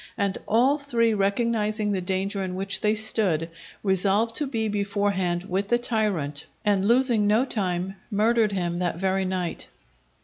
And all three recognizing the danger in which they stood, resolved to be beforehand with the tyrant, and losing no time, murdered him that very night.